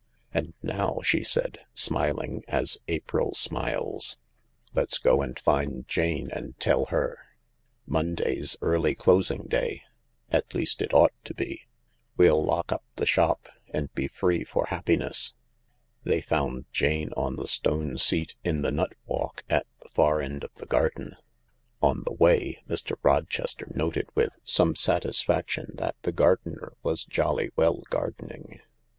" And now," she said, smiling as April smiles, "let's go and find Jane, and tell her. Monday's early closing day — at least it ought to be. We'll lock up the shop and be free for happiness." Theyfound Jane on the stone seatin the nut walk at the far end of the garden. On the way, Mr. Rochester noted with some satisfaction that the gardener was jolly well gardening.